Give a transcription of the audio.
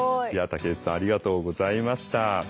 竹内さんありがとうございました。